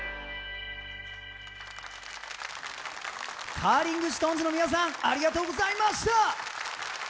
カーリングシトーンズの皆さん、ありがとうございました。